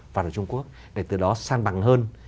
và trung quốc để từ đó san bằng hơn